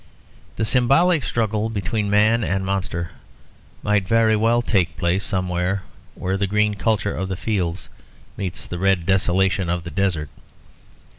The symbolic struggle between man and monster might very well take place somewhere where the green culture of the fields meets the red desolation of the desert.